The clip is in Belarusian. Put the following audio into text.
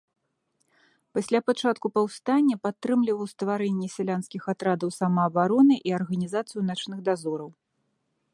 Пасля пачатку паўстання падтрымліваў стварэнне сялянскіх атрадаў самаабароны і арганізацыю начных дазораў.